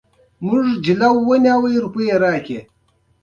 مه کوه په ما، چې وبه سي په تا!